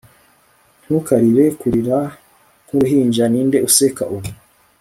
Ntukarire kurira nkuruhinjaNinde useka ubu